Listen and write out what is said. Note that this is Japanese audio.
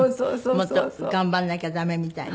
もっと頑張らなきゃ駄目みたいな。